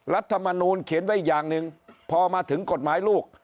รัฐมนูลเขียนไว้อย่างหนึ่งพอมาถึงกฎหมายลูก